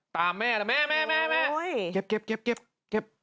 ตามแม่ละแม่เก็บ